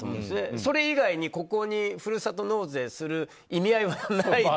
それ以外に、ここにふるさと納税する意味合いはないと。